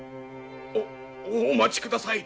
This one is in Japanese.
おお待ちください